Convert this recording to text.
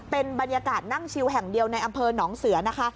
เป็นบรรยากาศนั่งชิวแห่งเดียวในอำเภอหนองเสือนะคะ